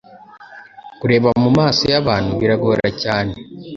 Kurebera mumaso yabantu, biragora cyane